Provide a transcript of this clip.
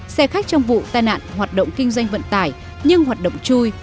xe khách trong vụ tai nạn hoạt động kinh doanh vận tải nhưng hoạt động chui